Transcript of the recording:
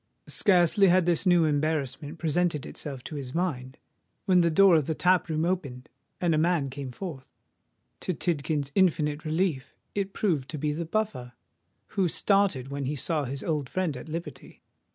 Scarcely had this new embarrassment presented itself to his mind, when the door of the tap room opened, and a man came forth. To Tidkins's infinite relief it proved to be the Buffer, who started when he saw his old friend at liberty.